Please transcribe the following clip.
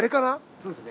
そうですね。